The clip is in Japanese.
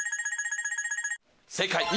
正解！